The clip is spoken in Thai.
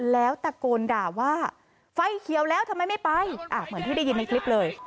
แล้วตะโกนด่าว่าไฟเขียวแล้วทำไมไม่ไปเหมือนที่ได้ยินในคลิปเลย